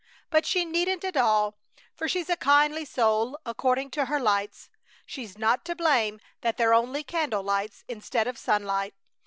But she needn't at all, for she's a kindly soul, according to her lights. She's not to blame that they're only candle lights instead of sunlight.